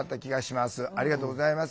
ありがとうございます。